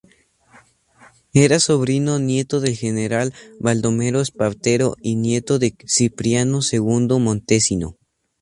Era sobrino nieto del general Baldomero Espartero y nieto de Cipriano Segundo Montesino.